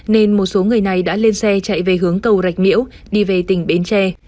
nên một số người này đã lên xe chạy về hướng cầu rạch miễu đi về tỉnh bến tre